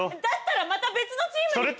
だったらまた別のチームに。